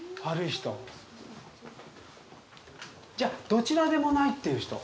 じゃどちらでもないっていう人？